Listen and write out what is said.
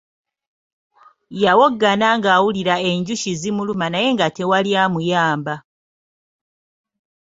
Yawoggana nga awulira enjuki zimuluma naye nga tewali amuyamba.